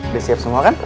udah siap semua kan